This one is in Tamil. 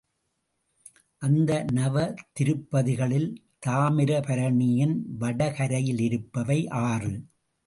அந்த நவதிருப்பதிகளில் தாமிரபரணியின் வடகரையிலிருப்பவை ஆறு.